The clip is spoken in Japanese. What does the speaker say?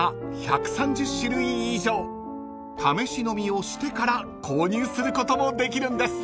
［試し飲みをしてから購入することもできるんです］